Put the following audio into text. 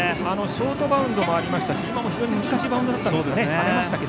ショートバウンドもありましたし今も非常なバウンドでしたが。